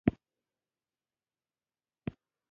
کلیمه د فکر څرګندونه کوي.